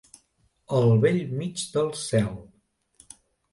Al bell mig del cel.